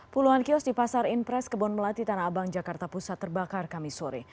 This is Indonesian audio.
puluhan kios di pasar impres kebon melati tanah abang jakarta pusat terbakar kami sore